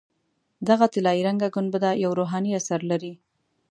دغه طلایي رنګه ګنبده یو روحاني اثر لري.